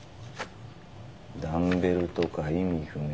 「ダンベルとか意味不明。